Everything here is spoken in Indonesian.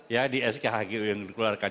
ya di skhgu yang dikeluarkan